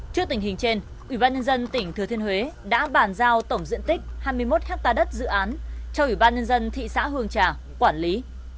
trước tình hình trên ủy ban nhân dân tỉnh thừa thiên huế đã bàn giao tổng diện tích hai mươi một hectare đất dự án cho ủy ban nhân dân thị xã hương trà quản lý